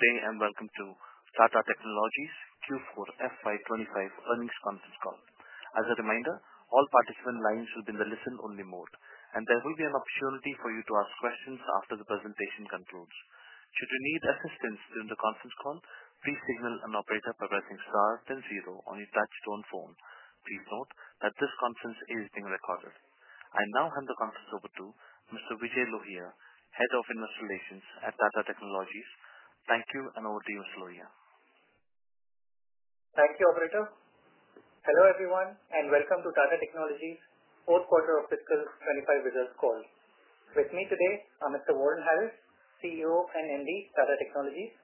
Good day and welcome to Tata Technologies Q4 FY25 earnings conference call. As a reminder, all participant lines will be in the listen-only mode, and there will be an opportunity for you to ask questions after the presentation concludes. Should you need assistance during the conference call, please signal an operator by pressing star then zero on your touch-tone phone. Please note that this conference is being recorded. I now hand the conference over to Mr. Vijay Lohia, Head of Investor Relations at Tata Technologies. Thank you, and over to you, Mr. Lohia. Thank you, Operator. Hello, everyone, and welcome to Tata Technologies' fourth quarter of Fiscal 2025 results call. With me today, I am Mr. Warren Harris, CEO and MD, Tata Technologies;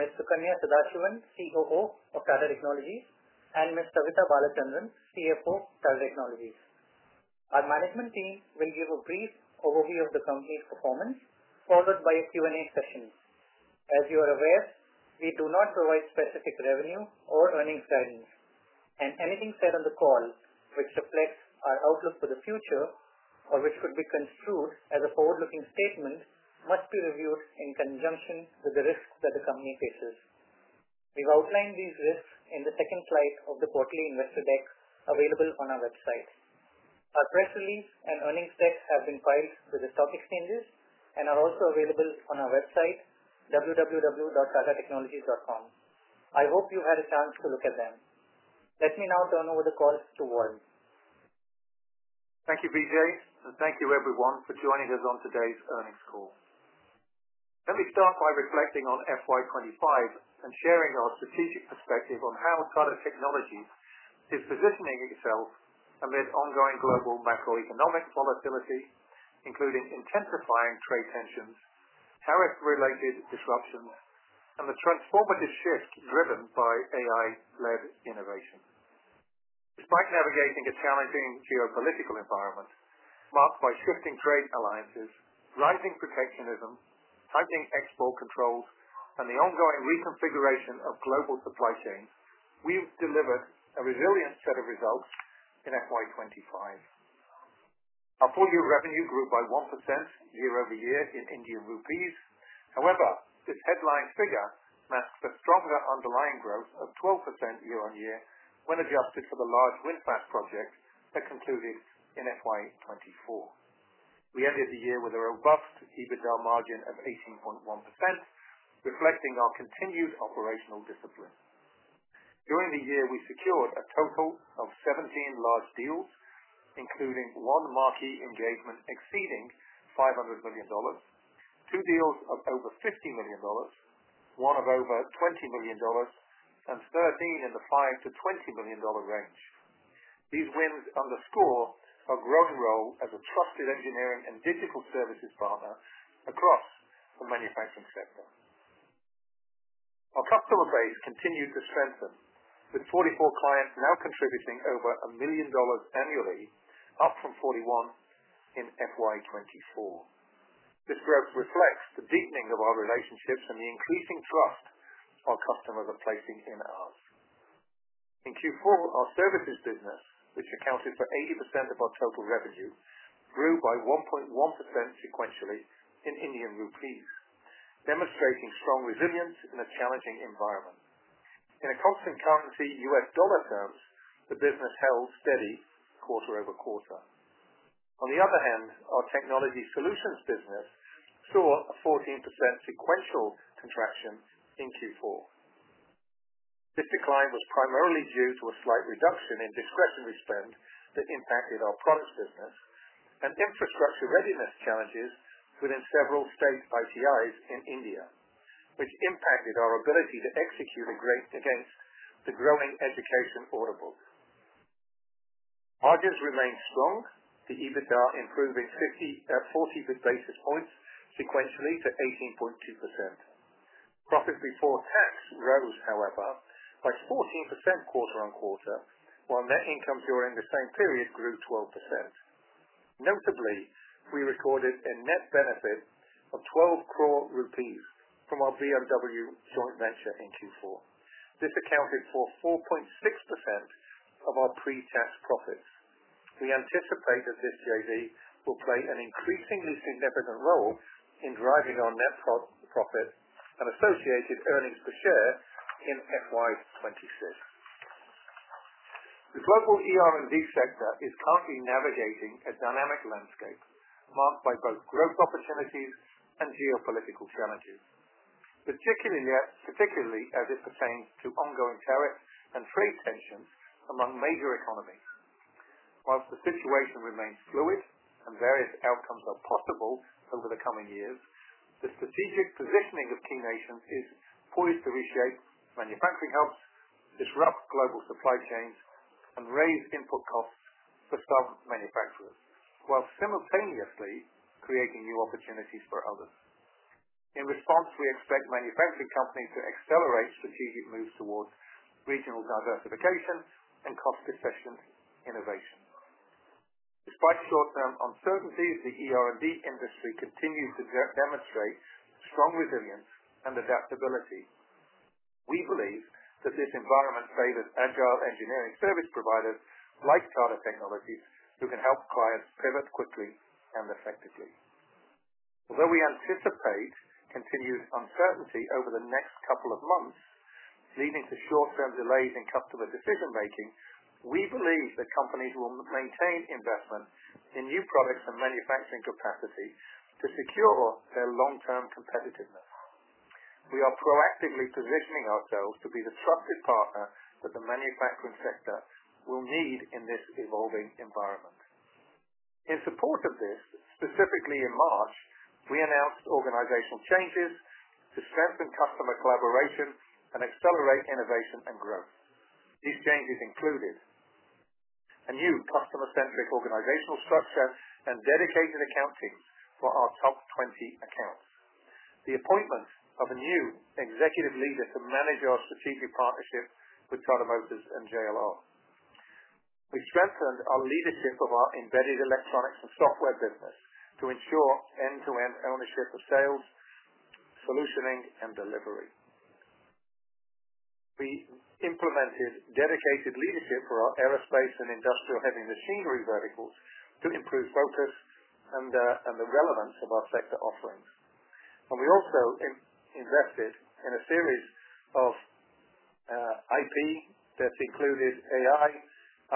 Ms. Sukanya Sadasivan, COO of Tata Technologies; and Ms. Savitha Balachandran, CFO, Tata Technologies. Our management team will give a brief overview of the company's performance, followed by a Q&A session. As you are aware, we do not provide specific revenue or earnings guidance, and anything said on the call which reflects our outlook for the future or which could be construed as a forward-looking statement must be reviewed in conjunction with the risks that the company faces. We have outlined these risks in the second slide of the quarterly investor deck available on our website. Our press release and earnings deck have been filed with the stock exchanges and are also available on our website, www.tatatechnologies.com. I hope you've had a chance to look at them. Let me now turn over the call to Warren. Thank you, Vijay, and thank you, everyone, for joining us on today's earnings call. Let me start by reflecting on FY 2025 and sharing our strategic perspective on how Tata Technologies is positioning itself amid ongoing global macroeconomic volatility, including intensifying trade tensions, tariff-related disruptions, and the transformative shift driven by AI-led innovation. Despite navigating a challenging geopolitical environment marked by shifting trade alliances, rising protectionism, tightening export controls, and the ongoing reconfiguration of global supply chains, we've delivered a resilient set of results in FY 2025. Our full-year revenue grew by 1% year-over-year in INR. However, this headline figure masks a stronger underlying growth of 12% year-on-year when adjusted for the large VinFast project that concluded in FY 2024. We ended the year with a robust EBITDA margin of 18.1%, reflecting our continued operational discipline. During the year, we secured a total of 17 large deals, including one marquee engagement exceeding $500 million, two deals of over $50 million, one of over $20 million, and 13 in the $5-$20 million range. These wins underscore our growing role as a trusted engineering and digital services partner across the manufacturing sector. Our customer base continued to strengthen, with 44 clients now contributing over $1 million annually, up from 41 in FY2024. This growth reflects the deepening of our relationships and the increasing trust our customers are placing in us. In Q4, our services business, which accounted for 80% of our total revenue, grew by 1.1% sequentially in INR, demonstrating strong resilience in a challenging environment. In constant currency U.S. dollar terms, the business held steady quarter over quarter. On the other hand, our technology solutions business saw a 14% sequential contraction in Q4. This decline was primarily due to a slight reduction in discretionary spend that impacted our products business and infrastructure readiness challenges within several state ITIs in India, which impacted our ability to execute against the growing education order book. Margins remained strong, the EBITDA improving 40 basis points sequentially to 18.2%. Profits before tax rose, however, by 14% quarter on quarter, while net income during the same period grew 12%. Notably, we recorded a net benefit of 12 crore rupees from our BMW joint venture in Q4. This accounted for 4.6% of our pre-tax profits. We anticipate that this JV will play an increasingly significant role in driving our net profit and associated earnings per share in FY2026. The global ER&D sector is currently navigating a dynamic landscape marked by both growth opportunities and geopolitical challenges, particularly as it pertains to ongoing tariff and trade tensions among major economies. Whilst the situation remains fluid and various outcomes are possible over the coming years, the strategic positioning of key nations is poised to reshape manufacturing hubs, disrupt global supply chains, and raise input costs for some manufacturers, while simultaneously creating new opportunities for others. In response, we expect manufacturing companies to accelerate strategic moves towards regional diversification and cost-efficient innovation. Despite short-term uncertainties, the ER&D industry continues to demonstrate strong resilience and adaptability. We believe that this environment favors agile engineering service providers like Tata Technologies, who can help clients pivot quickly and effectively. Although we anticipate continued uncertainty over the next couple of months, leading to short-term delays in customer decision-making, we believe that companies will maintain investment in new products and manufacturing capacity to secure their long-term competitiveness. We are proactively positioning ourselves to be the trusted partner that the manufacturing sector will need in this evolving environment. In support of this, specifically in March, we announced organizational changes to strengthen customer collaboration and accelerate innovation and growth. These changes included a new customer-centric organizational structure and dedicated account teams for our top 20 accounts, the appointment of a new executive leader to manage our strategic partnership with Tata Motors and JLR. We strengthened our leadership of our embedded electronics and software business to ensure end-to-end ownership of sales, solutioning, and delivery. We implemented dedicated leadership for our aerospace and industrial-heavy machinery verticals to improve focus and the relevance of our sector offerings. We also invested in a series of IP that included AI,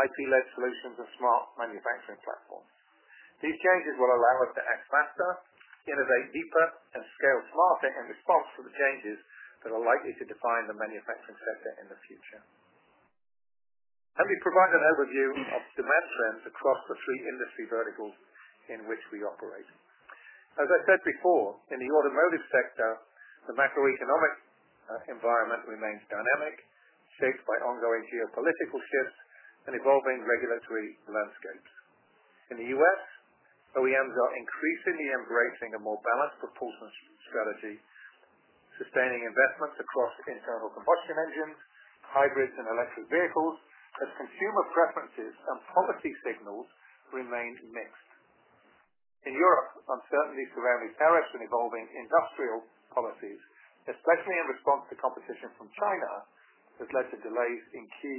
IP-led solutions, and smart manufacturing platforms. These changes will allow us to act faster, innovate deeper, and scale smarter in response to the changes that are likely to define the manufacturing sector in the future. Let me provide an overview of demand trends across the three industry verticals in which we operate. As I said before, in the automotive sector, the macroeconomic environment remains dynamic, shaped by ongoing geopolitical shifts and evolving regulatory landscapes. In the U.S., OEMs are increasingly embracing a more balanced proportional strategy, sustaining investments across internal combustion engines, hybrids, and electric vehicles as consumer preferences and policy signals remain mixed. In Europe, uncertainty surrounding tariffs and evolving industrial policies, especially in response to competition from China, has led to delays in key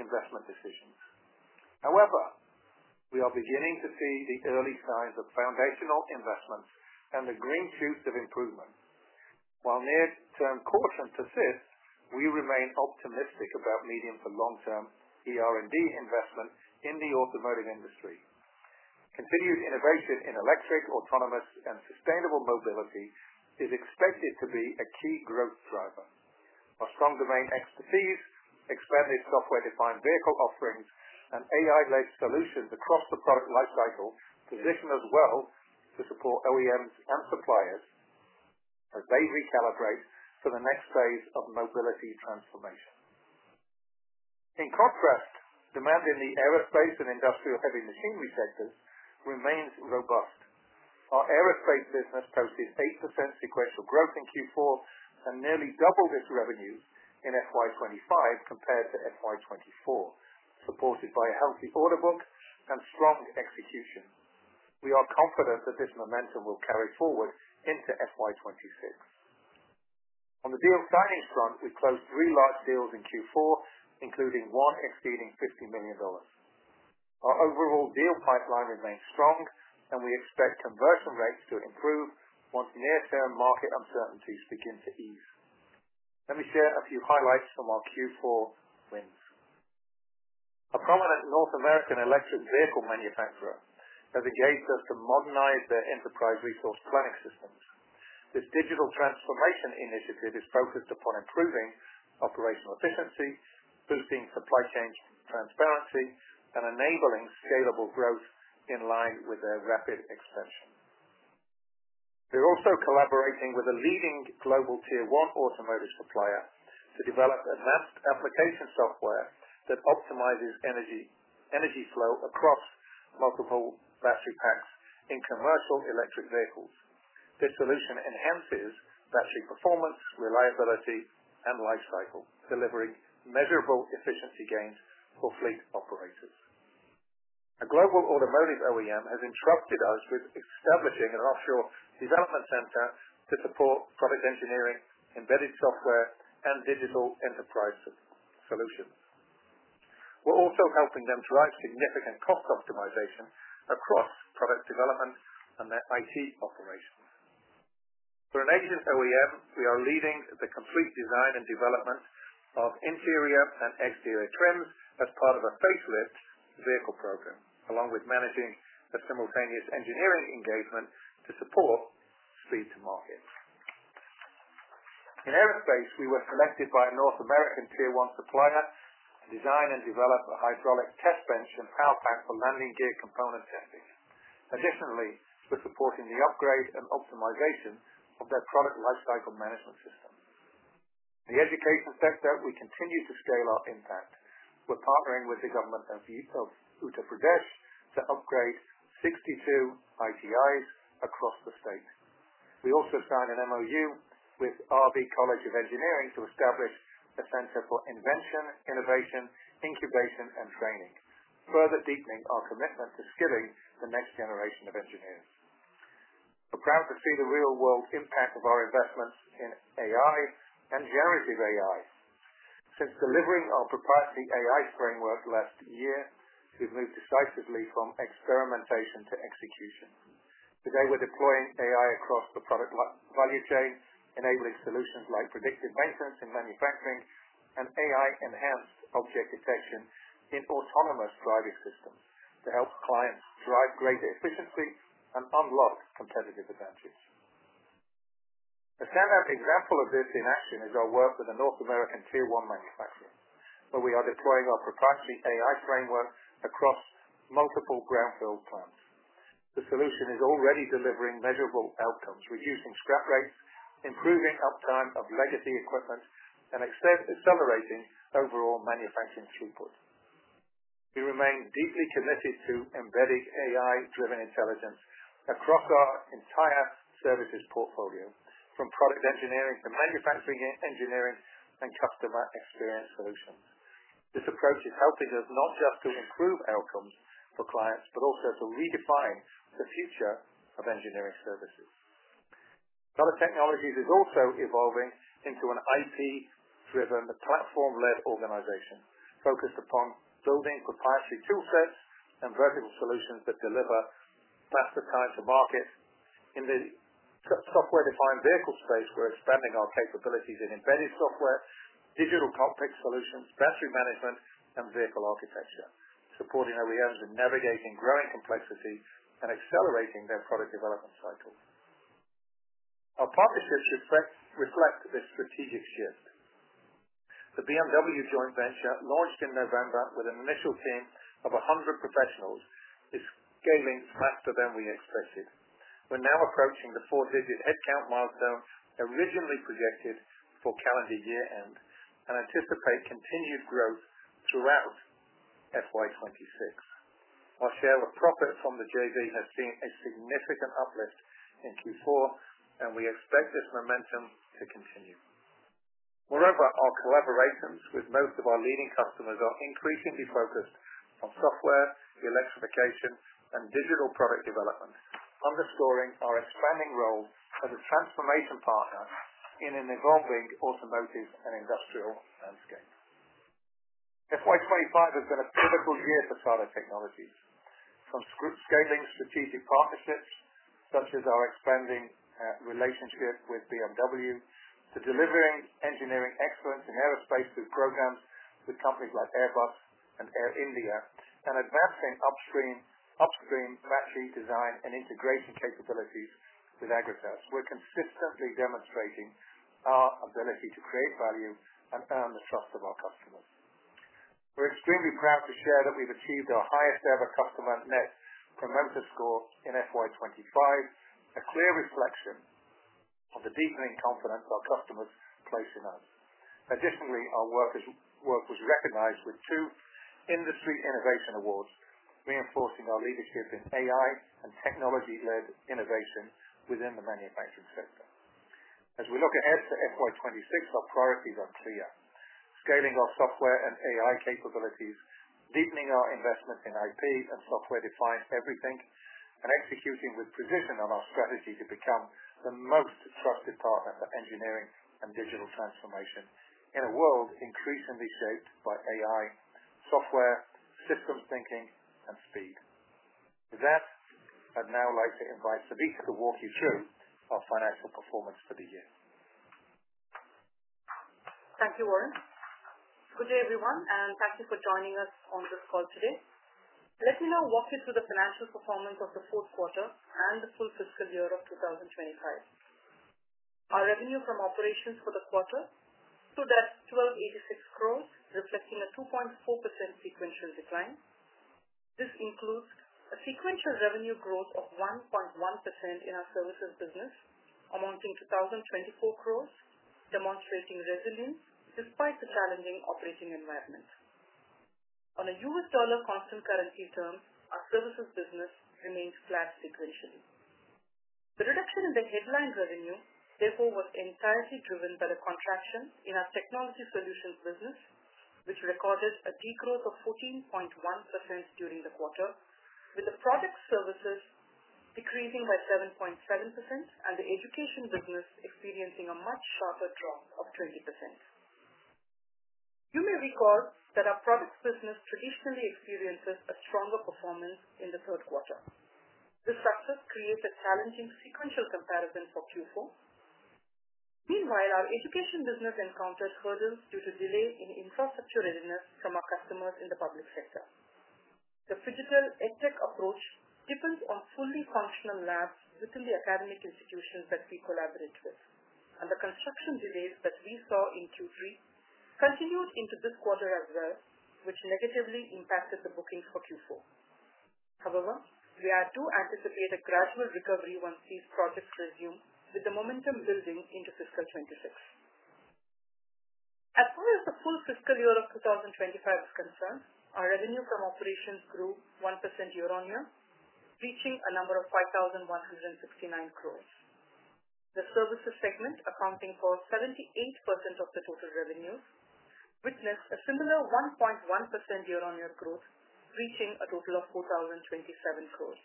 investment decisions. However, we are beginning to see the early signs of foundational investments and the green shoots of improvement. While near-term caution persists, we remain optimistic about medium to long-term ER&D investment in the automotive industry. Continued innovation in electric, autonomous, and sustainable mobility is expected to be a key growth driver. Our strong domain expertise, expanded software-defined vehicle offerings, and AI-led solutions across the product lifecycle position us well to support OEMs and suppliers as they recalibrate for the next phase of mobility transformation. In contrast, demand in the aerospace and industrial-heavy machinery sectors remains robust. Our aerospace business posted 8% sequential growth in Q4 and nearly doubled its revenues in FY 2025 compared to FY 2024, supported by a healthy order book and strong execution. We are confident that this momentum will carry forward into FY 2026. On the deal signing front, we closed three large deals in Q4, including one exceeding $50 million. Our overall deal pipeline remains strong, and we expect conversion rates to improve once near-term market uncertainties begin to ease. Let me share a few highlights from our Q4 wins. A prominent North American electric vehicle manufacturer has engaged us to modernize their enterprise resource planning systems. This digital transformation initiative is focused upon improving operational efficiency, boosting supply chain transparency, and enabling scalable growth in line with their rapid expansion. We're also collaborating with a leading global Tier 1 automotive supplier to develop advanced application software that optimizes energy flow across multiple battery packs in commercial electric vehicles. This solution enhances battery performance, reliability, and lifecycle, delivering measurable efficiency gains for fleet operators. A global automotive OEM has entrusted us with establishing an offshore development center to support product engineering, embedded software, and digital enterprise solutions. We're also helping them drive significant cost optimization across product development and their IT operations. For an Asian OEM, we are leading the complete design and development of interior and exterior trims as part of a facelift vehicle program, along with managing a simultaneous engineering engagement to support speed to market. In aerospace, we were selected by a North American Tier 1 supplier to design and develop a hydraulic test bench and power pack for landing gear component testing. Additionally, we're supporting the upgrade and optimization of their product lifecycle management system. In the education sector, we continue to scale our impact. We're partnering with the Government of Uttar Pradesh to upgrade 62 ITIs across the state. We also signed an MoU with RV College of Engineering to establish a Center for Invention, Innovation, Incubation, and Training, further deepening our commitment to skilling the next generation of engineers. We're proud to see the real-world impact of our investments in AI and generative AI. Since delivering our proprietary AI framework last year, we've moved decisively from experimentation to execution. Today, we're deploying AI across the product value chain, enabling solutions like predictive maintenance in manufacturing and AI-enhanced object detection in autonomous driving systems to help clients drive greater efficiency and unlock competitive advantage. A standout example of this in action is our work with a North American Tier 1 manufacturer, where we are deploying our proprietary AI framework across multiple brownfield plants. The solution is already delivering measurable outcomes, reducing scrap rates, improving uptime of legacy equipment, and accelerating overall manufacturing throughput. We remain deeply committed to embedded AI-driven intelligence across our entire services portfolio, from product engineering to manufacturing engineering and customer experience solutions. This approach is helping us not just to improve outcomes for clients, but also to redefine the future of engineering services. Tata Technologies is also evolving into an IP-driven, platform-led organization focused upon building proprietary toolsets and vertical solutions that deliver faster time to market. In the software-defined vehicle space, we're expanding our capabilities in embedded software, digital cockpit solutions, battery management, and vehicle architecture, supporting OEMs in navigating growing complexity and accelerating their product development cycle. Our partnerships reflect this strategic shift. The BMW joint venture, launched in November with an initial team of 100 professionals, is scaling faster than we expected. We're now approaching the four-digit headcount milestone originally projected for calendar year-end and anticipate continued growth throughout FY26. Our share of profit from the JV has seen a significant uplift in Q4, and we expect this momentum to continue. Moreover, our collaborations with most of our leading customers are increasingly focused on software, electrification, and digital product development, underscoring our expanding role as a transformation partner in an evolving automotive and industrial landscape. FY25 has been a pivotal year for Tata Technologies, from scaling strategic partnerships such as our expanding relationship with BMW, to delivering engineering excellence in aerospace through programs with companies like Airbus and Air India, and advancing upstream battery design and integration capabilities with Agratas. We are consistently demonstrating our ability to create value and earn the trust of our customers. We are extremely proud to share that we have achieved our highest-ever customer Net Promoter Score in FY25, a clear reflection of the deepening confidence our customers place in us. Additionally, our work was recognized with two industry innovation awards, reinforcing our leadership in AI and technology-led innovation within the manufacturing sector. As we look ahead to FY2026, our priorities are clear: scaling our software and AI capabilities, deepening our investments in IP and software-defined everything, and executing with precision on our strategy to become the most trusted partner for engineering and digital transformation in a world increasingly shaped by AI, software, systems thinking, and speed. With that, I'd now like to invite Savitha to walk you through our financial performance for the year. Thank you, Warren. Good day, everyone, and thank you for joining us on this call today. Let me now walk you through the financial performance of the fourth quarter and the full Fiscal year of 2025. Our revenue from operations for the quarter stood at 1,286 crore, reflecting a 2.4% sequential decline. This includes a sequential revenue growth of 1.1% in our services business, amounting to 1,024 crore, demonstrating resilience despite the challenging operating environment. On a U.S. dollar constant currency term, our services business remained flat sequentially. The reduction in the headline revenue, therefore, was entirely driven by the contraction in our technology solutions business, which recorded a degrowth of 14.1% during the quarter, with the product services decreasing by 7.7% and the education business experiencing a much sharper drop of 20%. You may recall that our products business traditionally experiences a stronger performance in the third quarter. This success creates a challenging sequential comparison for Q4. Meanwhile, our education business encountered hurdles due to delay in infrastructure readiness from our customers in the public sector. The phygital EdTech approach depends on fully functional labs within the academic institutions that we collaborate with, and the construction delays that we saw in Q3 continued into this quarter as well, which negatively impacted the bookings for Q4. However, we do anticipate a gradual recovery once these projects resume, with the momentum building into Fiscal 2026. As far as the full Fiscal year of 2025 is concerned, our revenue from operations grew 1% year-on-year, reaching a number of 5,169 crore. The services segment, accounting for 78% of the total revenues, witnessed a similar 1.1% year-on-year growth, reaching a total of 4,027 crore.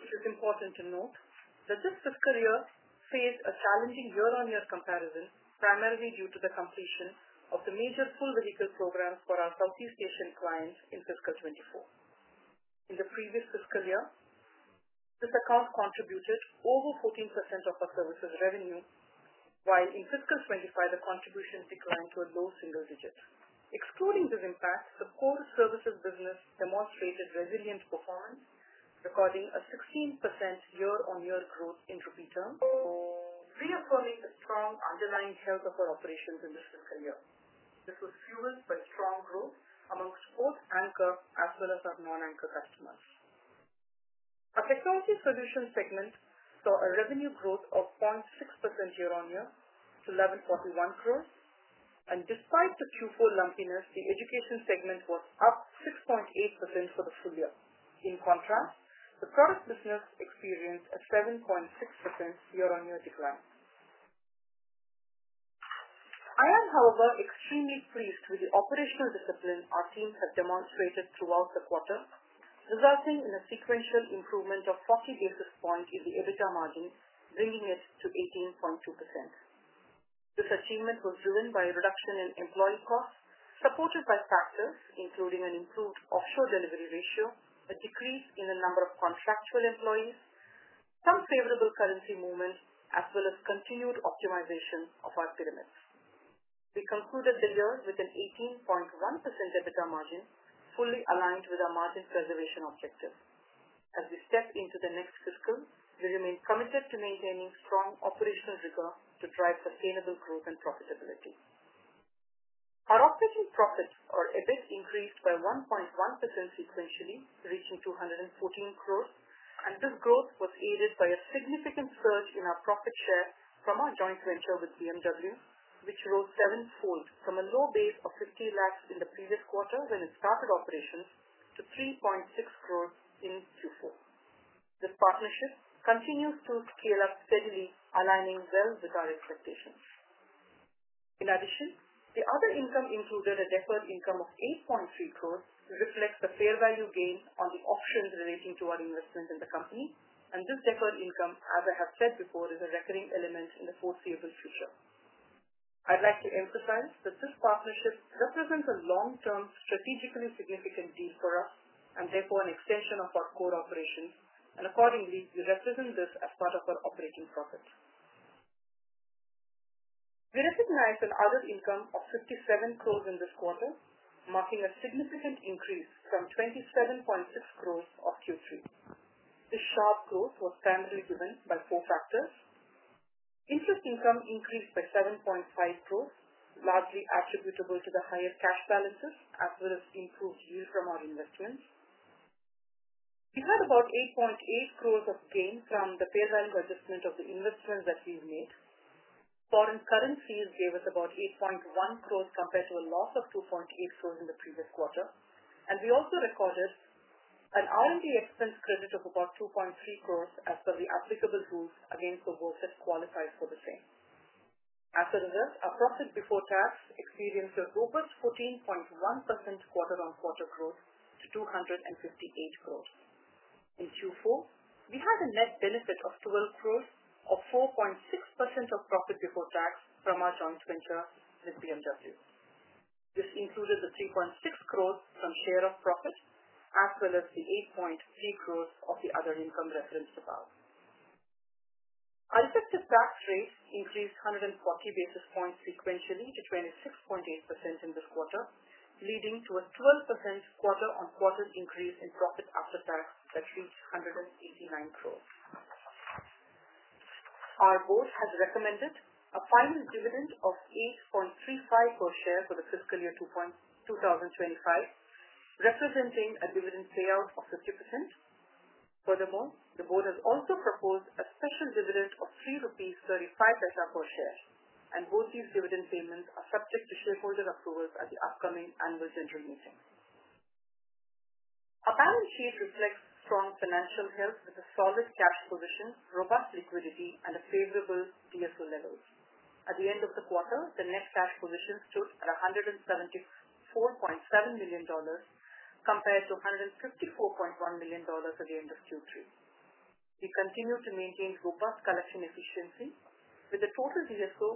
It is important to note that this Fiscal year faced a challenging year-on-year comparison, primarily due to the completion of the major full vehicle programs for our Southeast Asian clients in Fiscal 2024. In the previous Fiscal year, this account contributed over 14% of our services revenue, while in Fiscal 2025, the contribution declined to a low single digit. Excluding these impacts, the core services business demonstrated resilient performance, recording a 16% year-on-year growth in repeat terms, reaffirming the strong underlying health of our operations in this Fiscal year. This was fueled by strong growth amongst both anchor as well as our non-anchor customers. Our technology solutions segment saw a revenue growth of 0.6% year-on-year to 1,141 crore, and despite the Q4 lumpiness, the education segment was up 6.8% for the full year. In contrast, the product business experienced a 7.6% year-on-year decline. I am, however, extremely pleased with the operational discipline our teams have demonstrated throughout the quarter, resulting in a sequential improvement of 40 basis points in the EBITDA margin, bringing it to 18.2%. This achievement was driven by a reduction in employee costs supported by factors including an improved offshore delivery ratio, a decrease in the number of contractual employees, some favorable currency movements, as well as continued optimization of our pyramids. We concluded the year with an 18.1% EBITDA margin, fully aligned with our margin preservation objective. As we step into the next Fiscal, we remain committed to maintaining strong operational rigor to drive sustainable growth and profitability. Our operating profits EBIT increased by 1.1% sequentially, reaching 214 crore, and this growth was aided by a significant surge in our profit share from our joint venture with BMW, which rose sevenfold from a low base of 5 million in the previous quarter when we started operations to 36 million in Q4. This partnership continues to scale up steadily, aligning well with our expectations. In addition, the other income included a deferred income of 8.3 crore, which reflects the fair value gain on the options relating to our investment in the company, and this deferred income, as I have said before, is a recurring element in the foreseeable future. I'd like to emphasize that this partnership represents a long-term, strategically significant deal for us and therefore an extension of our core operations, and accordingly, we represent this as part of our operating profits. We recognize an other income of 57 crore in this quarter, marking a significant increase from 27.6 crore of Q3. This sharp growth was primarily driven by four factors: interest income increased by 7.5 crore, largely attributable to the higher cash balances, as well as improved yield from our investments. We had about 8.8 crore of gain from the fair value adjustment of the investments that we've made. Foreign currency yield gave us about 8.1 crore compared to a loss of 2.8 crore in the previous quarter, and we also recorded an R&D expense credit of about 2.3 crore as per the applicable rules against the workers qualified for the same. As a result, our profit before tax experienced a robust 14.1% quarter-on-quarter growth to 258 crore. In Q4, we had a net benefit of 12 crore or 4.6% of profit before tax from our joint venture with BMW. This included the 3.6 crore from share of profit, as well as the 8.3 crore of the other income referenced above. Our effective tax rate increased 140 basis points sequentially to 26.8% in this quarter, leading to a 12% quarter-on-quarter increase in profit after tax that reached 189 crore. Our Board has recommended a final dividend of 8.35 per share for the Fiscal year 2025, representing a dividend payout of 50%. Furthermore, the Board has also proposed a special dividend of 3.35 rupees per share, and both these dividend payments are subject to shareholder approvals at the upcoming Annual General Meeting. Our balance sheet reflects strong financial health with a solid cash position, robust liquidity, and favorable DSO levels. At the end of the quarter, the net cash position stood at $174.7 million compared to $154.1 million at the end of Q3. We continue to maintain robust collection efficiency, with the total DSO,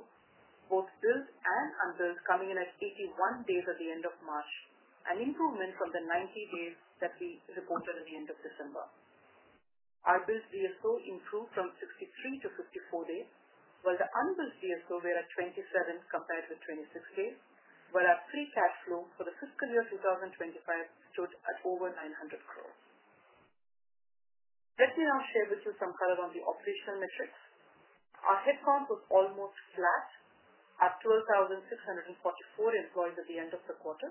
both billed and unbilled, coming in at 81 days at the end of March, an improvement from the 90 days that we reported at the end of December. Our billed DSO improved from 63 to 54 days, while the unbilled DSO was at 27 compared with 26 days, while our free cash flow for the Fiscal year 2025 stood at over 900 crore. Let me now share with you some color on the operational metrics. Our headcount was almost flat at 12,644 employees at the end of the quarter,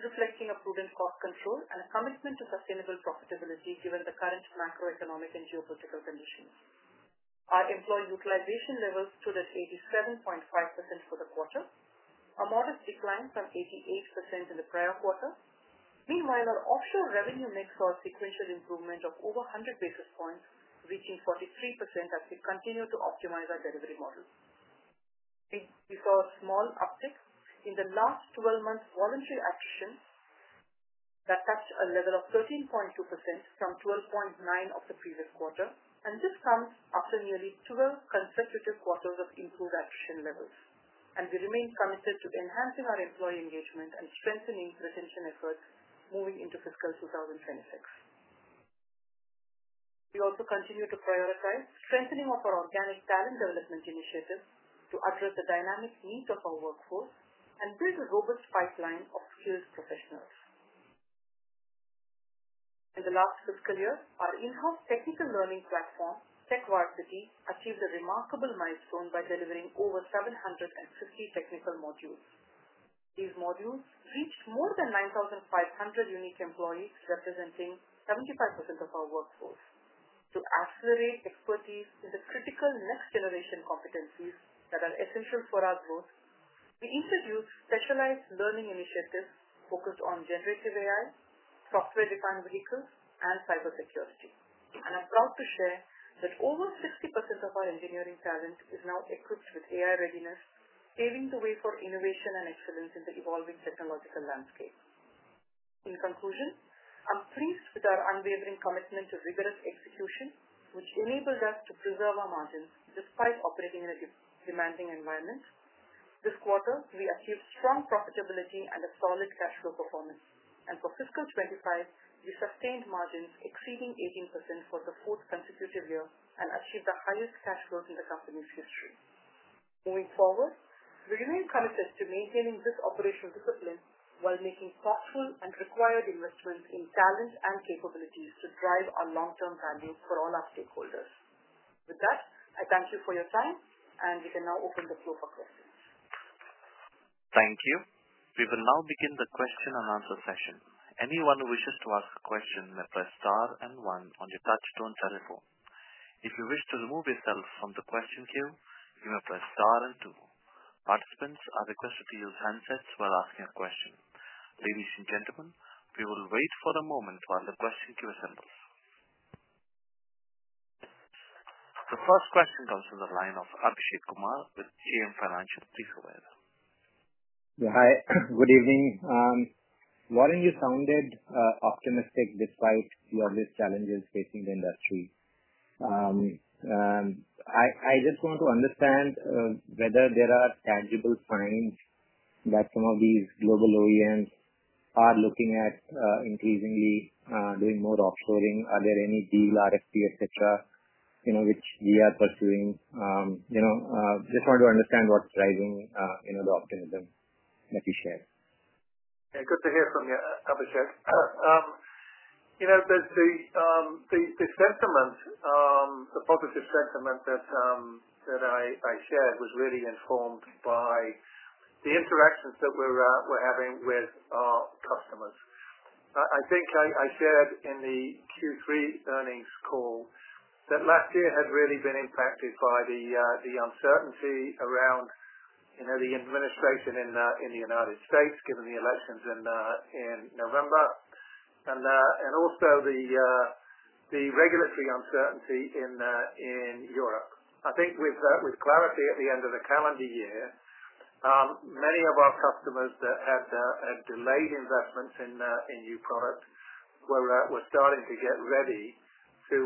reflecting a prudent cost control and a commitment to sustainable profitability given the current macroeconomic and geopolitical conditions. Our employee utilization level stood at 87.5% for the quarter, a modest decline from 88% in the prior quarter. Meanwhile, our offshore revenue mix saw a sequential improvement of over 100 basis points, reaching 43% as we continue to optimize our delivery model. We saw a small uptick in the last 12 months' voluntary attrition that touched a level of 13.2% from 12.9% of the previous quarter, and this comes after nearly 12 consecutive quarters of improved attrition levels. We remain committed to enhancing our employee engagement and strengthening retention efforts moving into Fiscal 2026. We also continue to prioritize strengthening of our organic talent development initiatives to address the dynamic needs of our workforce and build a robust pipeline of skilled professionals. In the last Fiscal year, our in-house technical learning platform, TechVarsity, achieved a remarkable milestone by delivering over 750 technical modules. These modules reached more than 9,500 unique employees, representing 75% of our workforce. To accelerate expertise in the critical next-generation competencies that are essential for our growth, we introduced specialized learning initiatives focused on generative AI, software-defined vehicles, and cybersecurity, and I'm proud to share that over 60% of our engineering talent is now equipped with AI readiness, paving the way for innovation and excellence in the evolving technological landscape. In conclusion, I'm pleased with our unwavering commitment to rigorous execution, which enabled us to preserve our margins despite operating in a demanding environment. This quarter, we achieved strong profitability and a solid cash flow performance, and for Fiscal 2025, we sustained margins exceeding 18% for the fourth consecutive year and achieved the highest cash flows in the company's history. Moving forward, we remain committed to maintaining this operational discipline while making thoughtful and required investments in talent and capabilities to drive our long-term value for all our stakeholders. With that, I thank you for your time, and we can now open the floor for questions. Thank you. We will now begin the question and answer session. Anyone who wishes to ask a question may press star and one on your touch-tone telephone. If you wish to remove yourself from the question queue, you may press star and two. Participants are requested to use handsets while asking a question. Ladies and gentlemen, we will wait for a moment while the question queue assembles. The first question comes from the line of Abhishek Kumar with JM Financial, please go ahead. Hi, good evening. Warren, you sounded optimistic despite the obvious challenges facing the industry. I just want to understand whether there are tangible signs that some of these global OEMs are looking at increasingly doing more offshoring. Are there any deal, RFP, et cetera, which we are pursuing? Just want to understand what's driving the optimism that you shared. Yeah, good to hear from you, Abhishek. The sentiment, the positive sentiment that I shared was really informed by the interactions that we're having with our customers. I think I shared in the Q3 earnings call that last year had really been impacted by the uncertainty around the administration in the U.S. given the elections in November, and also the regulatory uncertainty in Europe. I think with clarity at the end of the calendar year, many of our customers that had delayed investments in new product were starting to get ready to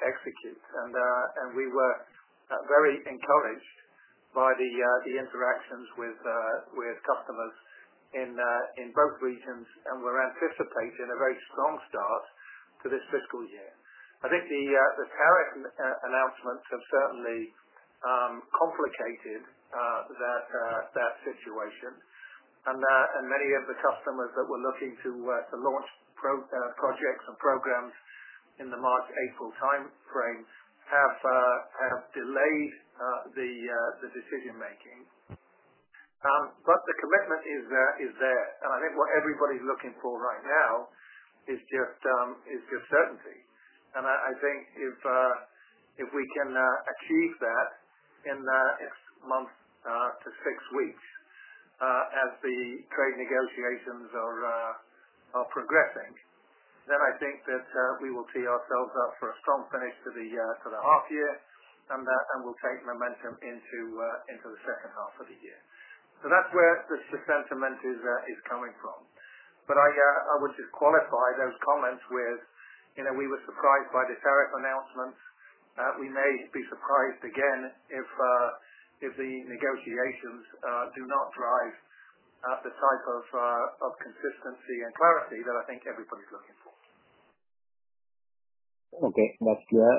execute, and we were very encouraged by the interactions with customers in both regions, and we're anticipating a very strong start to this Fiscal year. I think the tariff announcements have certainly complicated that situation, and many of the customers that were looking to launch projects and programs in the March-April timeframe have delayed the decision-making. The commitment is there, and I think what everybody's looking for right now is just certainty. I think if we can achieve that in the next month to six weeks as the trade negotiations are progressing, I think that we will tee ourselves up for a strong finish to the half-year, and we'll take momentum into the second half of the year. That is where the sentiment is coming from. I would just qualify those comments with we were surprised by the tariff announcements. We may be surprised again if the negotiations do not drive the type of consistency and clarity that I think everybody's looking for. Okay, that's clear.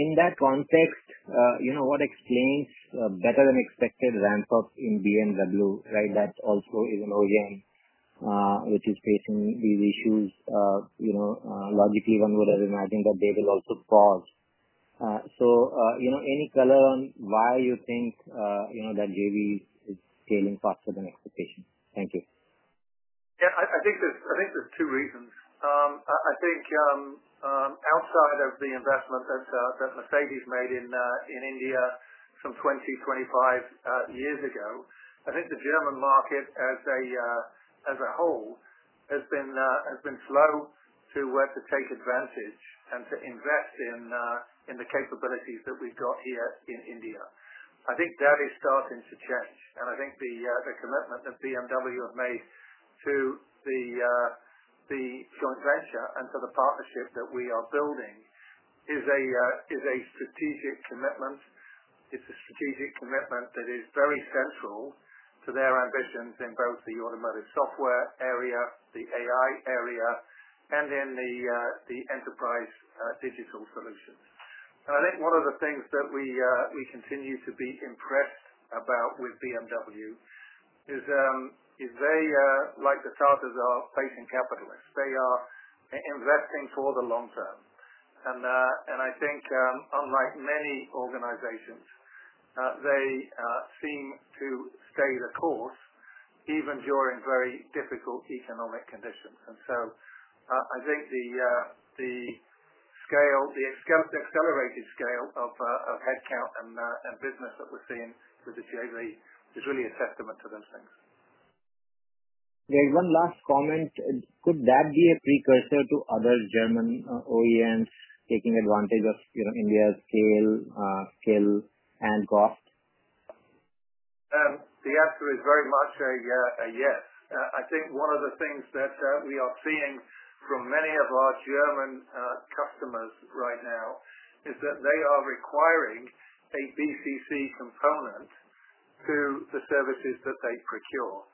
In that context, what explains better-than-expected ramp-up in BMW, right, that also is an OEM which is facing these issues? Logically, one would have imagined that they will also pause. Any color on why you think that JV is scaling faster than expectation? Thank you. Yeah, I think there's two reasons. I think outside of the investment that Mercedes-Benz made in India some 20, 25 years ago, I think the German market as a whole has been slow to take advantage and to invest in the capabilities that we've got here in India. I think that is starting to change, and I think the commitment that BMW has made to the joint venture and to the partnership that we are building is a strategic commitment. It's a strategic commitment that is very central to their ambitions in both the automotive software area, the AI area, and in the enterprise digital solutions. I think one of the things that we continue to be impressed about with BMW is they, like the Tatas are, are patient capitalists. They are investing for the long term, and I think unlike many organizations, they seem to stay the course even during very difficult economic conditions. I think the accelerated scale of headcount and business that we're seeing with the JV is really a testament to those things. There's one last comment. Could that be a precursor to other German OEMs taking advantage of India's scale and cost? The answer is very much a yes. I think one of the things that we are seeing from many of our German customers right now is that they are requiring a GCC component to the services that they procure.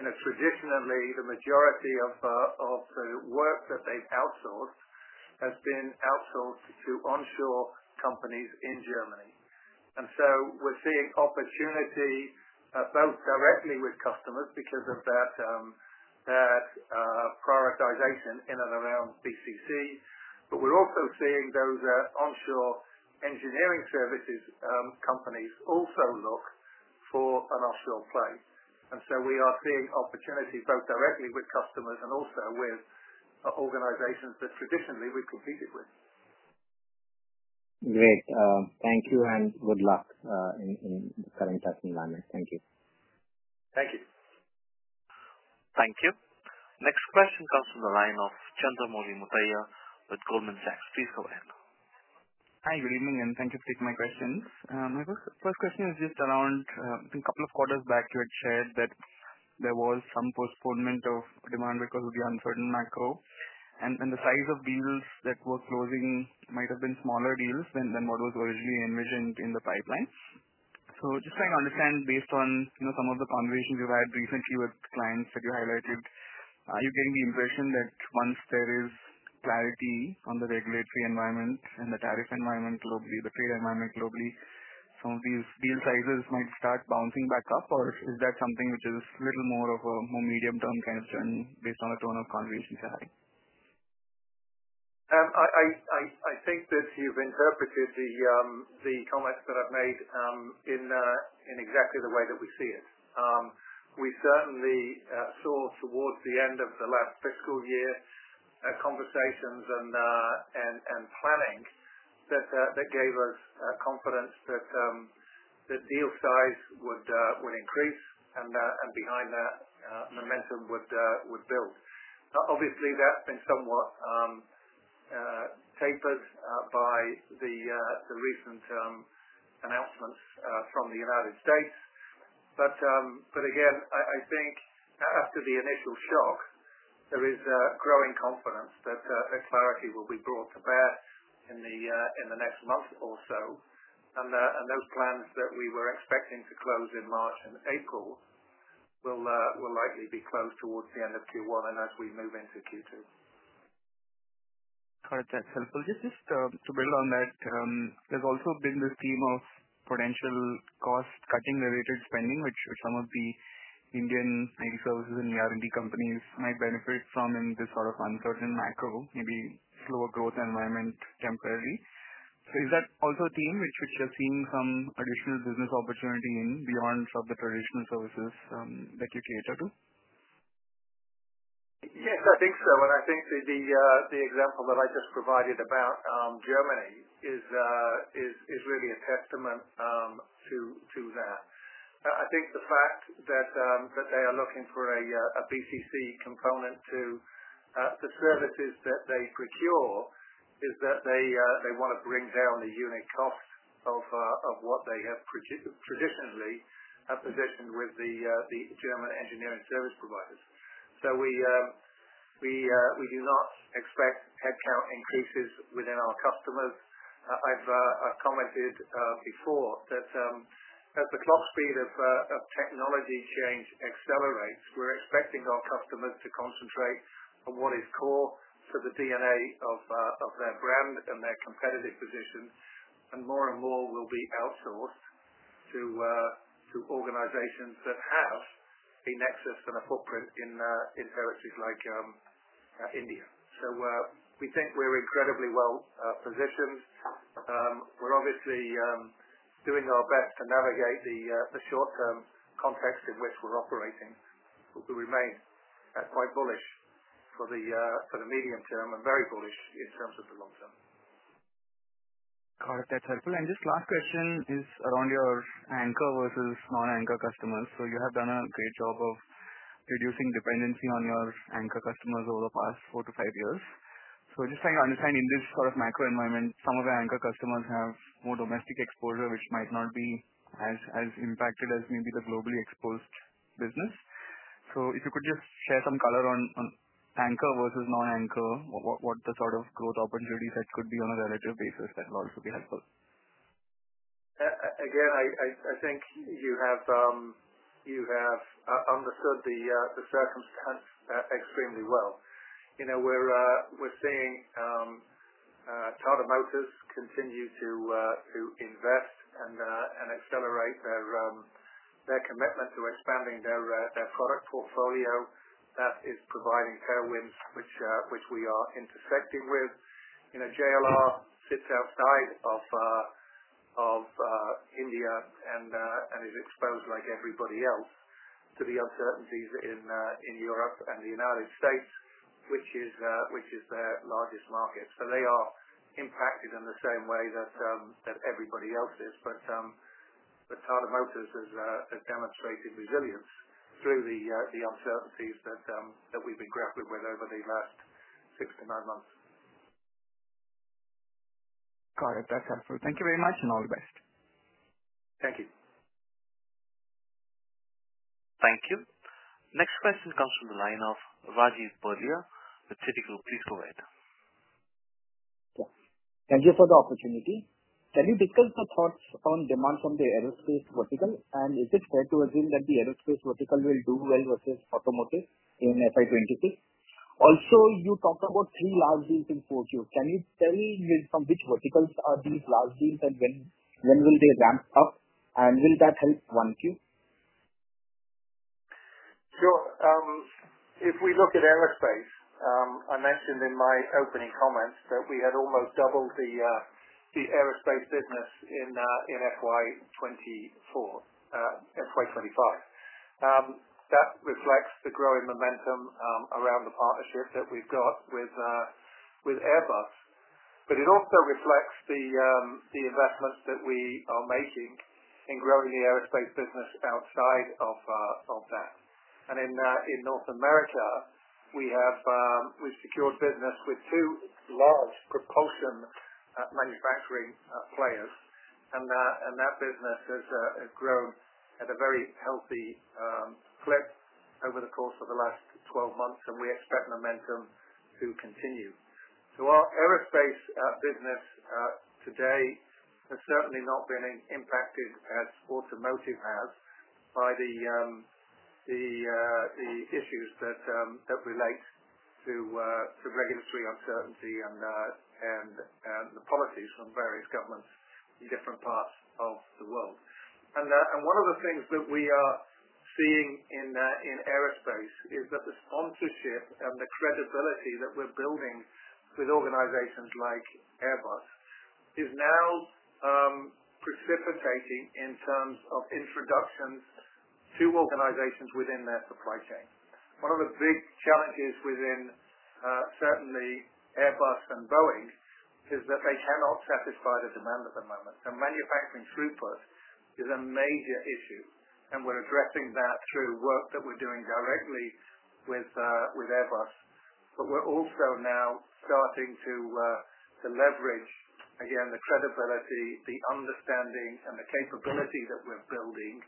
Traditionally, the majority of the work that they've outsourced has been outsourced to onshore companies in Germany. We are seeing opportunity both directly with customers because of that prioritization in and around GCC, but we are also seeing those onshore engineering services companies also look for an offshore play. We are seeing opportunity both directly with customers and also with organizations that traditionally we've competed with. Great. Thank you and good luck in the current testing environment. Thank you. Thank you. Thank you. Next question comes from the line of Chandramouli Muthiah with Goldman Sachs. Please go ahead. Hi, good evening, and thank you for taking my questions. My first question is just around, I think, a couple of quarters back you had shared that there was some postponement of demand because of the uncertain macro, and the size of deals that were closing might have been smaller deals than what was originally envisioned in the pipeline. Just trying to understand, based on some of the conversations you've had recently with clients that you highlighted, are you getting the impression that once there is clarity on the regulatory environment and the tariff environment globally, the trade environment globally, some of these deal sizes might start bouncing back up, or is that something which is a little more of a more medium-term kind of journey based on the tone of conversations you're having? I think that you've interpreted the comments that I've made in exactly the way that we see it. We certainly saw towards the end of the last Fiscal year conversations and planning that gave us confidence that deal size would increase and behind that momentum would build. Obviously, that's been somewhat tapered by the recent announcements from the United States. Again, I think after the initial shock, there is growing confidence that clarity will be brought to bear in the next month or so, and those plans that we were expecting to close in March and April will likely be closed towards the end of Q1 and as we move into Q2. Correct, that's helpful. Just to build on that, there's also been this theme of potential cost-cutting-related spending, which some of the Indian IT services and ER&D companies might benefit from in this sort of uncertain macro, maybe slower growth environment temporarily. Is that also a theme which you're seeing some additional business opportunity in beyond some of the traditional services that you cater to? Yes, I think so, and I think the example that I just provided about Germany is really a testament to that. I think the fact that they are looking for a GCC component to the services that they procure is that they want to bring down the unit cost of what they have traditionally positioned with the German engineering service providers. We do not expect headcount increases within our customers. I've commented before that as the clock speed of technology change accelerates, we're expecting our customers to concentrate on what is core to the DNA of their brand and their competitive position, and more and more will be outsourced to organizations that have a nexus and a footprint in territories like India. We think we're incredibly well positioned. We're obviously doing our best to navigate the short-term context in which we're operating, but we remain quite bullish for the medium term and very bullish in terms of the long term. Correct, that's helpful. Just last question is around your anchor versus non-anchor customers. You have done a great job of reducing dependency on your anchor customers over the past four to five years. Just trying to understand in this sort of macro environment, some of your anchor customers have more domestic exposure, which might not be as impacted as maybe the globally exposed business. If you could just share some color on anchor versus non-anchor, what the sort of growth opportunities that could be on a relative basis, that will also be helpful. Again, I think you have understood the circumstance extremely well. We're seeing Tata Motors continue to invest and accelerate their commitment to expanding their product portfolio that is providing tailwinds, which we are intersecting with. JLR sits outside of India and is exposed like everybody else to the uncertainties in Europe and the United States, which is their largest market. They are impacted in the same way that everybody else is, but Tata Motors has demonstrated resilience through the uncertainties that we've been grappling with over the last six to nine months. Got it, that's helpful. Thank you very much and all the best. Thank you. Thank you. Next question comes from the line of Rajiv Bhatia with Citigroup. Please go ahead. Thank you for the opportunity. Can you discuss the thoughts on demand from the aerospace vertical, and is it fair to assume that the aerospace vertical will do well versus automotive in FY 2026? Also, you talked about three large deals in four Qs. Can you tell me from which verticals are these large deals, and when will they ramp up, and will that help one Q? Sure. If we look at aerospace, I mentioned in my opening comments that we had almost doubled the aerospace business in FY 2024, FY 2025. That reflects the growing momentum around the partnership that we've got with Airbus, but it also reflects the investments that we are making in growing the aerospace business outside of that. In North America, we have secured business with two large propulsion manufacturing players, and that business has grown at a very healthy clip over the course of the last 12 months, and we expect momentum to continue. Our aerospace business today has certainly not been impacted as automotive has by the issues that relate to regulatory uncertainty and the policies from various governments in different parts of the world. One of the things that we are seeing in aerospace is that the sponsorship and the credibility that we're building with organizations like Airbus is now precipitating in terms of introductions to organizations within their supply chain. One of the big challenges within certainly Airbus and Boeing is that they cannot satisfy the demand at the moment, so manufacturing throughput is a major issue, and we're addressing that through work that we're doing directly with Airbus, but we're also now starting to leverage, again, the credibility, the understanding, and the capability that we're building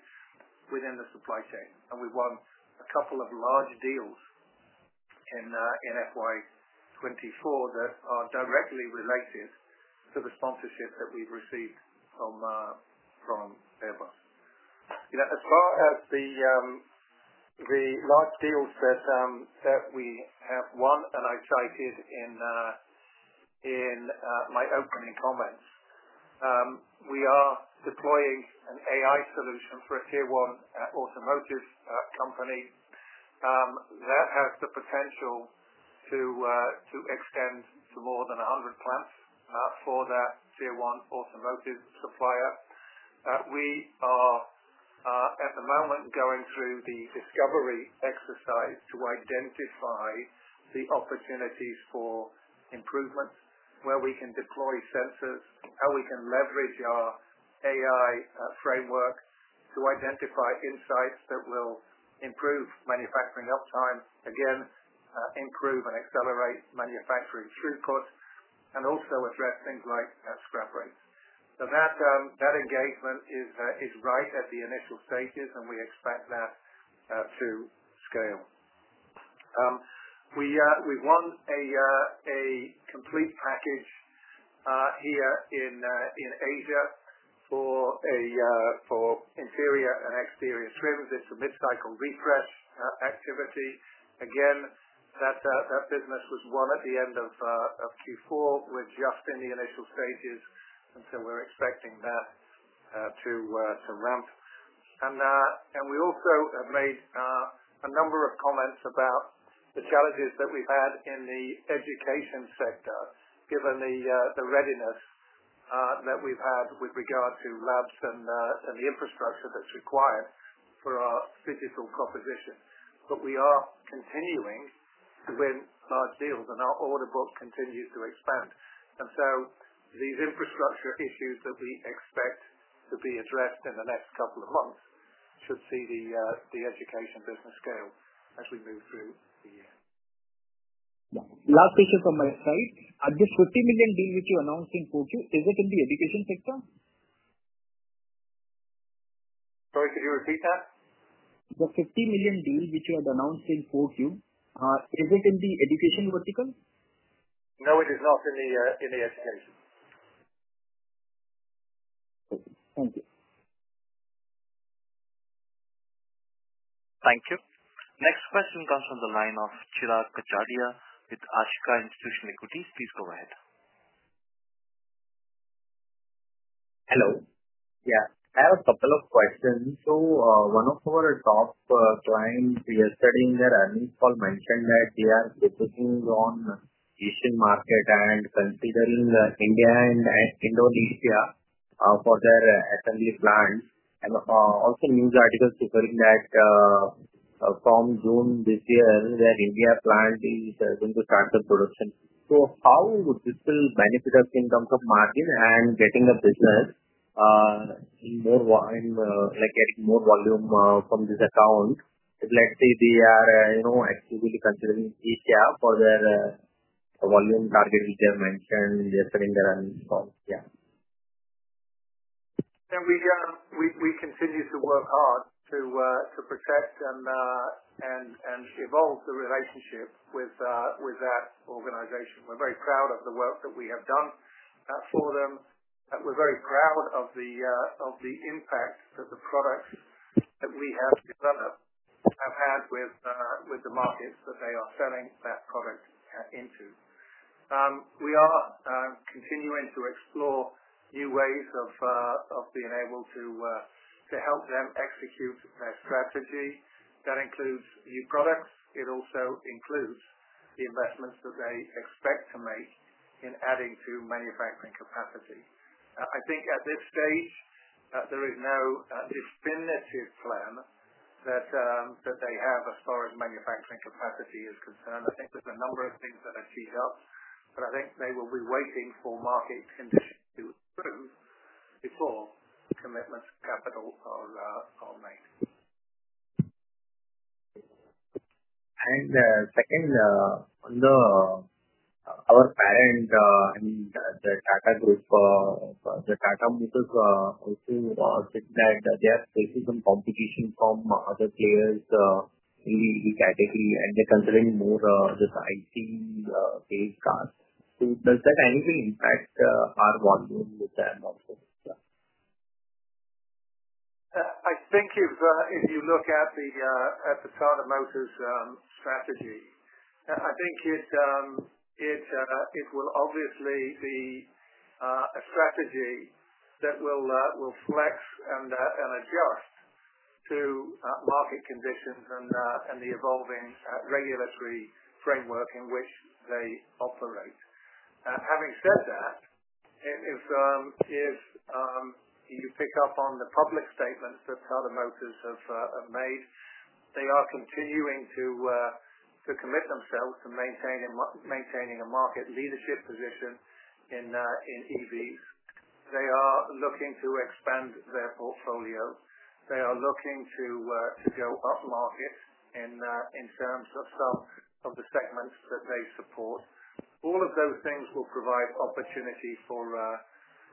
within the supply chain. We've won a couple of large deals in FY 2024 that are directly related to the sponsorship that we've received from Airbus. As far as the large deals that we have won, and I cited in my opening comments, we are deploying an AI solution for a Tier 1 automotive company that has the potential to extend to more than 100 plants for that Tier 1 automotive supplier. We are at the moment going through the discovery exercise to identify the opportunities for improvement, where we can deploy sensors, how we can leverage our AI framework to identify insights that will improve manufacturing uptime, again, improve and accelerate manufacturing throughput, and also address things like scrap rates. That engagement is right at the initial stages, and we expect that to scale. We've won a complete package here in Asia for interior and exterior trims. It's a mid-cycle refresh activity. That business was won at the end of Q4. We're just in the initial stages, and we are expecting that to ramp. We also have made a number of comments about the challenges that we've had in the education sector, given the readiness that we've had with regard to labs and the infrastructure that's required for our physical proposition. We are continuing to win large deals, and our order book continues to expand. These infrastructure issues that we expect to be addressed in the next couple of months should see the education business scale as we move through the year. Last question from my side. This $50 million deal which you announced in Q4, is it in the education sector? Sorry, could you repeat that? The $50 million deal which you had announced in Q4, is it in the education vertical? No, it is not in the education. Thank you. Thank you. Next question comes from the line of Chirag Kachhadiya with Ashika Institutional Equities. Please go ahead. Hello. Yeah, I have a couple of questions. One of our top clients, we are studying their earnings call, mentioned that they are focusing on the Asian market and considering India and Indonesia for their assembly plants. Also, news articles suggesting that from June this year, their India plant is going to start the production. How would this benefit us in terms of margin and getting a business in more volume from this account? Let's say they are actively considering Asia for their volume target which they have mentioned, they are setting their earnings call. Yeah. We continue to work hard to protect and evolve the relationship with that organization. We're very proud of the work that we have done for them. We're very proud of the impact that the products that we have developed have had with the markets that they are selling that product into. We are continuing to explore new ways of being able to help them execute their strategy. That includes new products. It also includes the investments that they expect to make in adding to manufacturing capacity. I think at this stage, there is no definitive plan that they have as far as manufacturing capacity is concerned. I think there's a number of things that are teed up, but I think they will be waiting for market conditions to improve before commitments to capital are made. I mean, our parent, the Tata Group, the Tata Motors also said that they are facing some competition from other players in the category, and they're considering more just IT-based cars. Does that anyway impact our volume with them also? I think if you look at the Tata Motors strategy, I think it will obviously be a strategy that will flex and adjust to market conditions and the evolving regulatory framework in which they operate. Having said that, if you pick up on the public statements that Tata Motors have made, they are continuing to commit themselves to maintaining a market leadership position in EVs. They are looking to expand their portfolio. They are looking to go upmarket in terms of some of the segments that they support. All of those things will provide opportunity for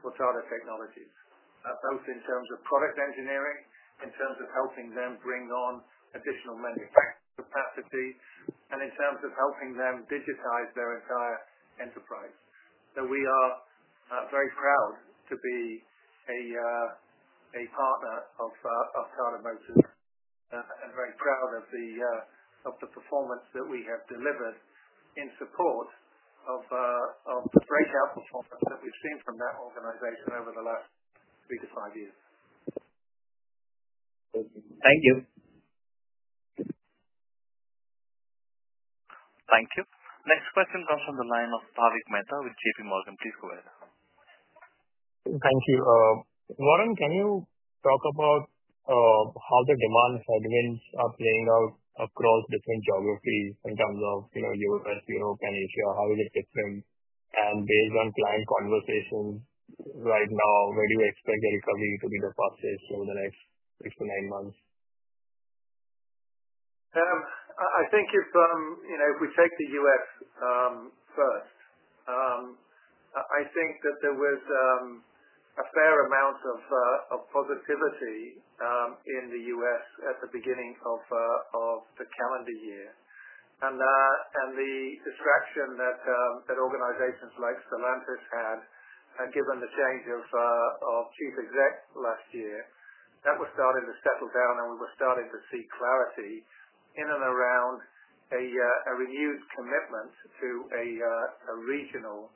Tata Technologies, both in terms of product engineering, in terms of helping them bring on additional manufacturing capacity, and in terms of helping them digitize their entire enterprise. We are very proud to be a partner of Tata Motors and very proud of the performance that we have delivered in support of the breakout performance that we've seen from that organization over the last three to five years. Thank you. Thank you. Next question comes from the line of Bhavik Mehta with JPMorgan Chase & Co. Please go ahead. Thank you. Warren, can you talk about how the demand segments are playing out across different geographies in terms of the U.S., Europe, and Asia? How is it different? Based on client conversations right now, where do you expect the recovery to be the fastest over the next six to nine months? I think if we take the U.S. first, I think that there was a fair amount of positivity in the U.S. at the beginning of the calendar year. The distraction that organizations like Stellantis had, given the change of Chief Exec last year, that was starting to settle down, and we were starting to see clarity in and around a renewed commitment to a regional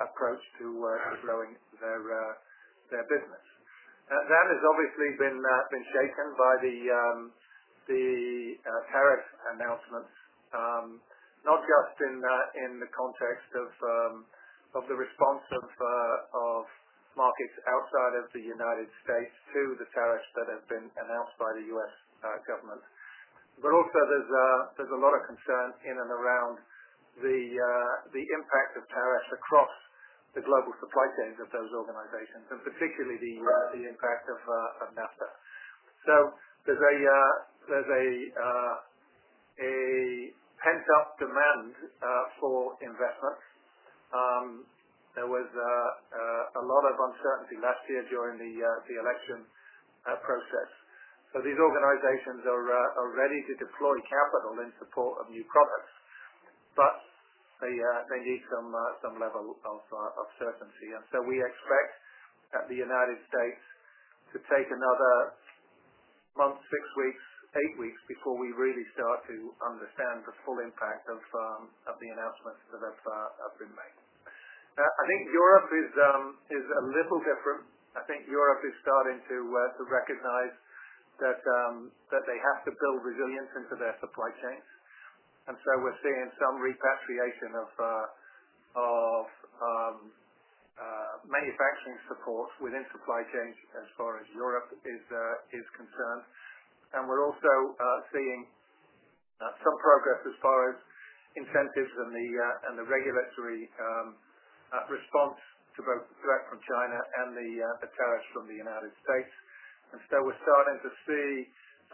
approach to growing their business. That has obviously been shaken by the tariff announcements, not just in the context of the response of markets outside of the United States to the tariffs that have been announced by the U.S. government, but also there's a lot of concern in and around the impact of tariffs across the global supply chains of those organizations, and particularly the impact of NAFTA. There is a pent-up demand for investments. There was a lot of uncertainty last year during the election process. These organizations are ready to deploy capital in support of new products, but they need some level of certainty. We expect the U.S. to take another month, six weeks, eight weeks before we really start to understand the full impact of the announcements that have been made. I think Europe is a little different. I think Europe is starting to recognize that they have to build resilience into their supply chains. We are seeing some repatriation of manufacturing support within supply chains as far as Europe is concerned. We are also seeing some progress as far as incentives and the regulatory response to both the threat from China and the tariffs from the U.S. We are starting to see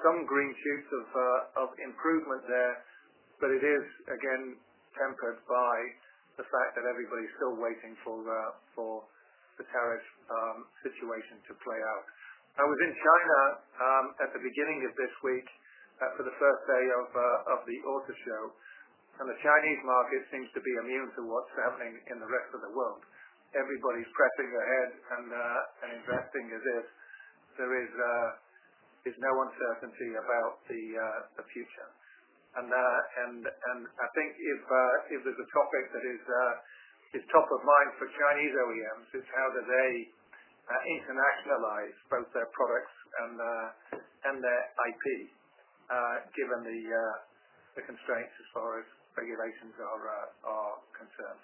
some green shoots of improvement there, but it is, again, tempered by the fact that everybody's still waiting for the tariff situation to play out. I was in China at the beginning of this week for the first day of the auto show, and the Chinese market seems to be immune to what's happening in the rest of the world. Everybody's pressing their heads and investing as if there is no uncertainty about the future. I think if there's a topic that is top of mind for Chinese OEMs, it's how do they internationalize both their products and their IP, given the constraints as far as regulations are concerned.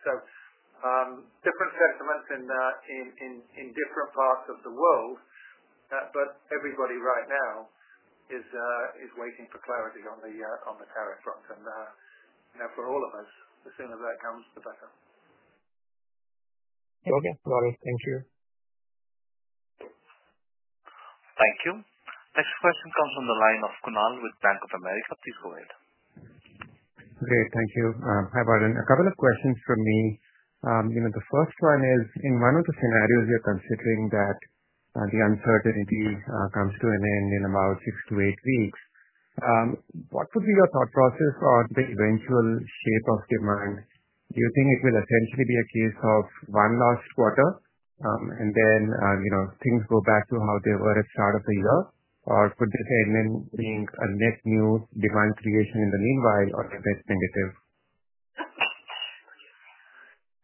Different sentiments in different parts of the world, but everybody right now is waiting for clarity on the tariff front. For all of us, the sooner that comes, the better. Okay. Got it. Thank you. Thank you. Next question comes from the line of Kunal with Bank of America. Please go ahead. Great. Thank you. Hi, Warren. A couple of questions from me. The first one is, in one of the scenarios you're considering that the uncertainty comes to an end in about six to eight weeks, what would be your thought process on the eventual shape of demand? Do you think it will essentially be a case of one last quarter and then things go back to how they were at the start of the year, or could this end in a net new demand creation in the meanwhile or is it negative?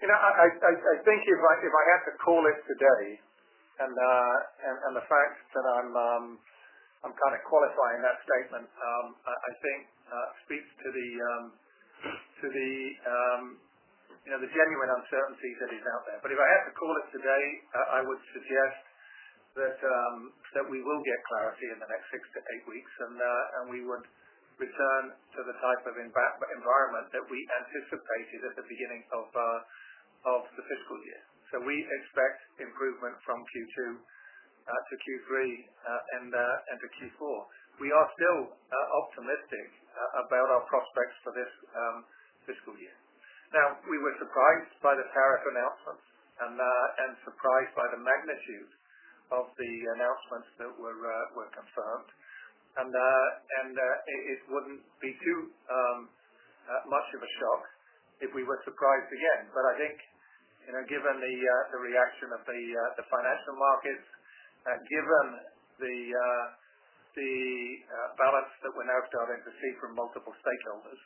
I think if I had to call it today, and the fact that I'm kind of qualifying that statement, I think speaks to the genuine uncertainty that is out there. If I had to call it today, I would suggest that we will get clarity in the next six to eight weeks, and we would return to the type of environment that we anticipated at the beginning of the Fiscal year. We expect improvement from Q2 to Q3 and to Q4. We are still optimistic about our prospects for this Fiscal year. We were surprised by the tariff announcements and surprised by the magnitude of the announcements that were confirmed. It would not be too much of a shock if we were surprised again. I think given the reaction of the financial markets, given the pilots that we're now starting to see from multiple stakeholders,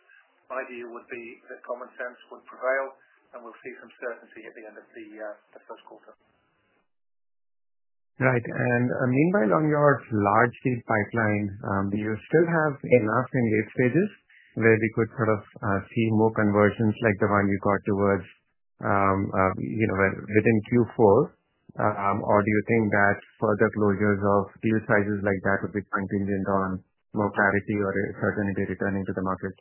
my view would be that common sense would prevail, and we'll see some certainty at the end of the first quarter. Right. Meanwhile, on your large deal pipeline, do you still have enough in late stages where we could sort of see more conversions like the one you got towards within Q4, or do you think that further closures of deal sizes like that would be contingent on more clarity or certainty returning to the market?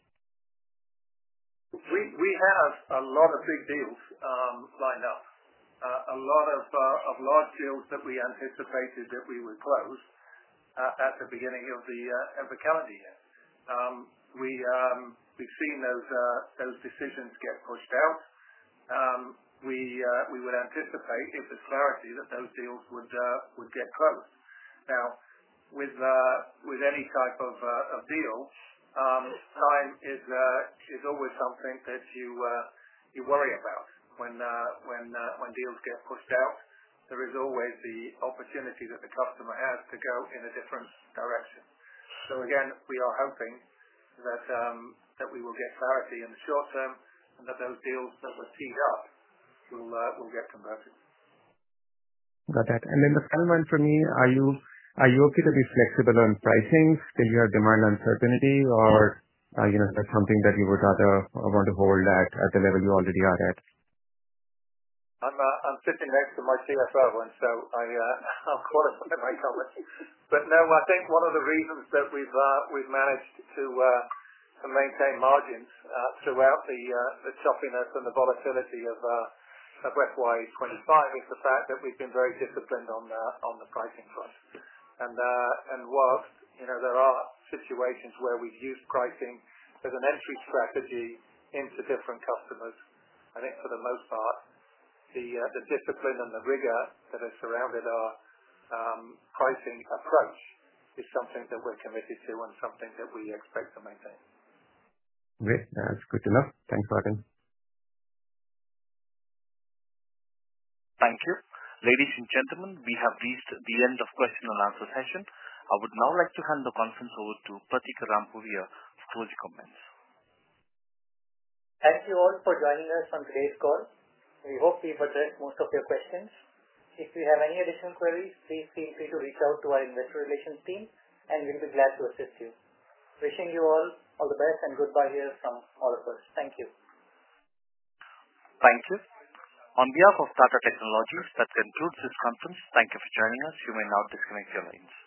We have a lot of big deals lined up, a lot of large deals that we anticipated that we would close at the beginning of the calendar year. We have seen those decisions get pushed out. We would anticipate, if there is clarity, that those deals would get closed. Now, with any type of deal, time is always something that you worry about when deals get pushed out. There is always the opportunity that the customer has to go in a different direction. Again, we are hoping that we will get clarity in the short term and that those deals that were teed up will get converted. Got it. And then the final one for me, are you okay to be flexible on pricing? Still, you have demand uncertainty, or that's something that you would rather want to hold at the level you already are at? I'm sitting next to my CFO, and so I'll qualify my comments. No, I think one of the reasons that we've managed to maintain margins throughout the choppiness and the volatility of FY25 is the fact that we've been very disciplined on the pricing front. Whilst there are situations where we've used pricing as an entry strategy into different customers, I think for the most part, the discipline and the rigor that has surrounded our pricing approach is something that we're committed to and something that we expect to maintain. Great. That's good to know. Thanks, Warren. Thank you. Ladies and gentlemen, we have reached the end of the question and answer session. I would now like to hand the conference over to Prateek Rampuria for closing comments. Thank you all for joining us on today's call. We hope we've addressed most of your questions. If you have any additional queries, please feel free to reach out to our investor relations team, and we'll be glad to assist you. Wishing you all the best and goodbye here from all of us. Thank you. Thank you. On behalf of Tata Technologies, that concludes this conference. Thank you for joining us. You may now disconnect your lines.